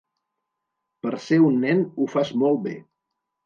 Per ser un nen, ho fas molt bé.